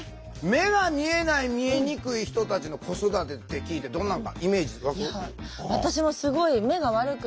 目が見えない見えにくい人たちの子育てって聞いてどんなんかイメージ湧く？